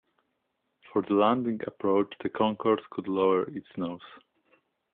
For the landing approach the Concorde could lower its nose.